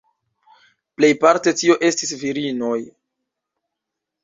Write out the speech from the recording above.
Plejparte tio estis virinoj.